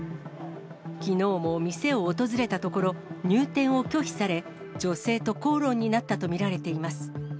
きのうも店を訪れたところ、入店を拒否され、女性と口論になったと見られています。